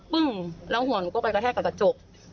แล้วหัวหนูก็ไปกระแทกกับกระจก